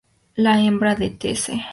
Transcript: La hembra de "T.c.